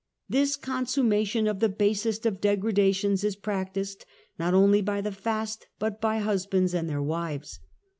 This consummation of the basest of degradations is \j practiced not only by the fast but by husbands and \their wives.